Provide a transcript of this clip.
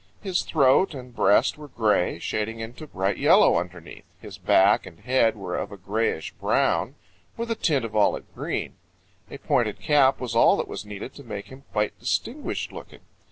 His throat and breast were gray, shading into bright yellow underneath. His back and head were of a grayish brown with a tint of olive green. A pointed cap was all that was needed to make him quite distinguished looking.